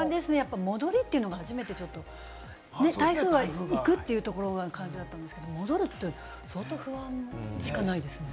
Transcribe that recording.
戻りっていうのはね、台風が行くという感じだったんですけれども、戻るというのは相当不安しかないですね。